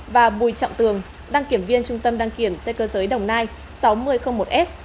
và bùi trọng tường đăng kiểm viên trung tâm đăng kiểm xe cơ giới đồng nai sáu nghìn một s